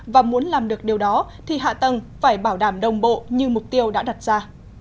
và muốn làm được điều đó thì hạ tầng phải bảo đảm đồng bộ như mục tiêu đã đặt ra